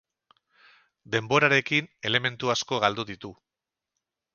Denborarekin elementu asko galdu ditu.